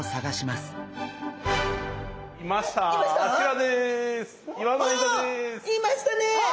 いましたね。